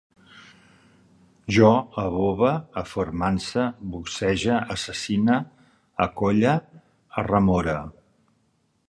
Jo above, afermance, boxege, assassine, acolle, arremore